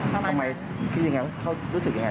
ทำไมคิดอย่างไรเขารู้สึกอย่างไร